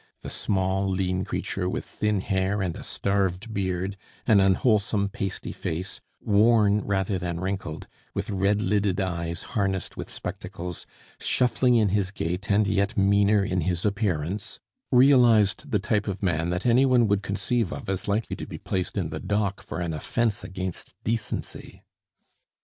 The small, lean creature, with thin hair and a starved beard, an unwholesome pasty face, worn rather than wrinkled, with red lidded eyes harnessed with spectacles, shuffling in his gait, and yet meaner in his appearance, realized the type of man that any one would conceive of as likely to be placed in the dock for an offence against decency.